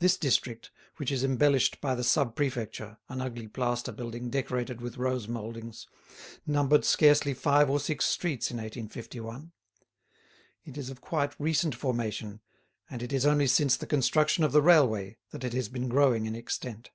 This district, which is embellished by the Sub Prefecture, an ugly plaster building decorated with rose mouldings, numbered scarcely five or six streets in 1851; it is of quite recent formation, and it is only since the construction of the railway that it has been growing in extent.